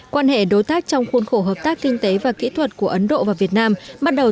quan hệ đối tác trong khuôn khổ hợp tác kinh tế và kỹ thuật của ấn độ cũng có lợi